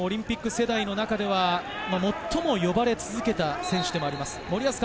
オリンピック世代の中では、最も呼ばれ続けた選手でもあります。